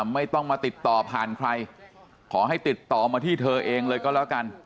ไม่ต้องมาติดต่อผ่านใครขอให้ติดต่อมาที่เธอเองเลยก็แล้วกัน